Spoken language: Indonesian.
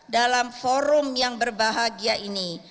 dalam forum yang berbahagia ini